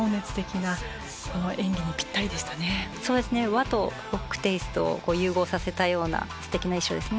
和とロックテイストを融合させたような素敵な衣装ですね。